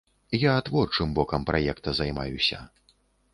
Я творчым бокам праекта займаюся.